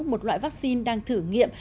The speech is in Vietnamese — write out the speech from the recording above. một loại vaccine đang thử nghiệm